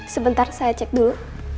sebentar saya cek dulu